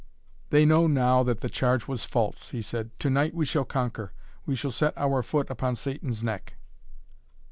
"They know now that the charge was false," he said. "To night we shall conquer. We shall set our foot upon Satan's neck."